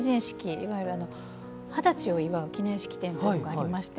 いわゆる二十歳を祝う記念式典がありまして